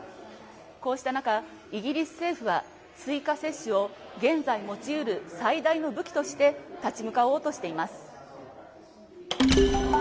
こうした中イギリス政府は追加接種を現在持ち得る最大の武器として立ち向かおうとしています。